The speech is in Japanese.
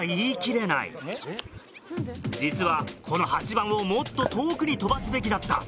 実はこの８番をもっと遠くに飛ばすべきだった。